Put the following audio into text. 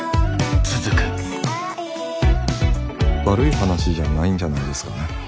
悪い話じゃないんじゃないですかね。